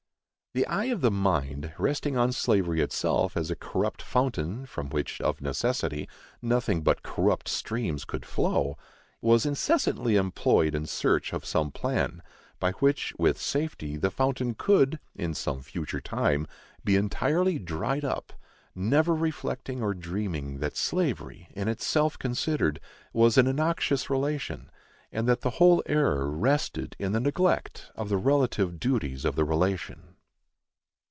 The eye of the mind, resting on slavery itself as a corrupt fountain, from which, of necessity, nothing but corrupt streams could flow, was incessantly employed in search of some plan by which, with safety, the fountain could, in some future time, be entirely dried up; never reflecting, or dreaming, that slavery, in itself considered, was an innoxious relation, and that the whole error rested in the neglect of the relative duties of the relation.